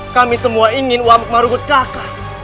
kami semua ingin uamuk mahluk kejahatkan